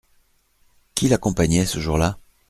Qui l’accompagnait ce jour-là ?